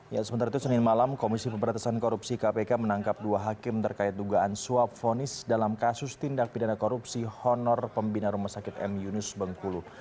ya sementara itu senin malam komisi pemberantasan korupsi kpk menangkap dua hakim terkait dugaan suap vonis dalam kasus tindak pidana korupsi honor pembina rumah sakit m yunus bengkulu